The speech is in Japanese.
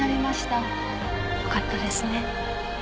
よかったですね。